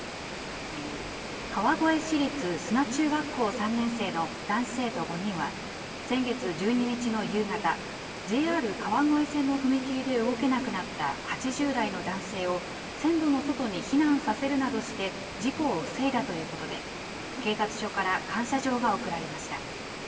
川越市立砂中学校３年生の男子生徒５人は、先月１２日の夕方、ＪＲ川越線の踏切で動けなくなった８０代の男性を線路の外に避難させるなどして事故を防いだということで、警察署から感謝状が贈られました。